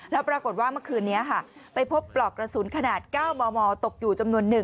แล้วปรากฏว่าเมื่อคืนนี้ไปพบปลอกกระสุนขนาด๙มมตกอยู่จำนวน๑